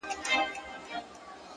هره ستونزه د فکر د بدلون لامل ده!